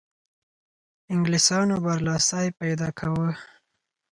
انګلیسیانو برلاسی پیدا کاوه.